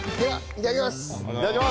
いただきます。